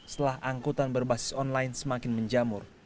setelah angkutan berbasis online semakin menjamur